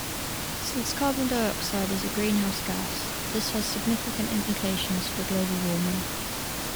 Since carbon dioxide is a greenhouse gas, this has significant implications for global warming.